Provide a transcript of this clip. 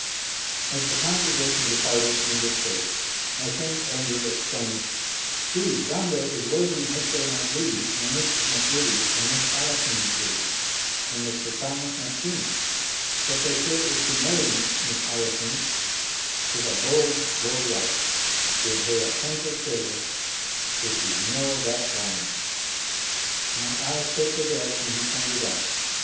As the congregation departed and dispersed, my friend Andrew exclaimed, "See, yonder is worthy Mr. MacVittie, and Mrs. MacVittie, and Miss Alison MacVittie, and Mr. Thamas MacFin, that they say is to marry Miss Alison, if a' bowls row right she'll hae a hantle siller, if she's no that bonny." My eyes took the direction he pointed out.